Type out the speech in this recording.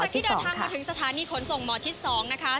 หลังจากที่เดินทางมาถึงสถานีขนส่งหมที่๒นะคะ